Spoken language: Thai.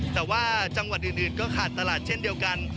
แต่ว่าจังหวัดอื่นก็ขาดตลาดเช่นเดียวกัน